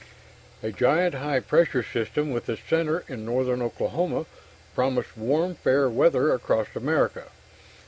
A giant high pressure system with its center in northern Oklahoma promised warm fair weather across America.